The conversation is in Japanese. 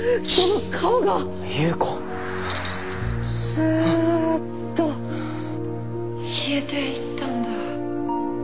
スウッと消えていったんだ。